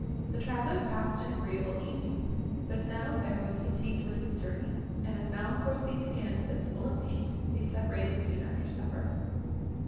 The travellers passed an agreeable evening; but St. Aubert was fatigued with his journey; and, as Valancourt seemed again sensible of pain, they separated soon after supper.